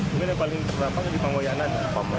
mungkin yang paling terberat di pamuayanan